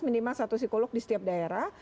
minimal satu psikolog di setiap daerah